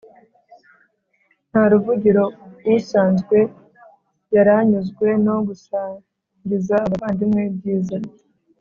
ntaruvugiro usanzwe yaranyuzwe no gusangiza abavandimwe ibyiza